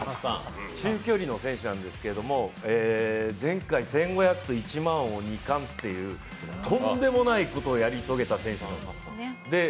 中距離の選手なんですけど、前回１５００と１００００ｍを２冠っていう、とんでもないことをやり遂げた選手。